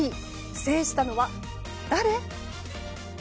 制したのは、誰？